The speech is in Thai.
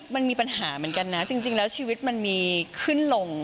มันมีปัญหาเหมือนกันนะจริงแล้วชีวิตมันมีขึ้นลง